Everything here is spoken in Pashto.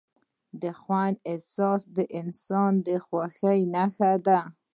د خوند احساس د انسان د خوښۍ نښه ده.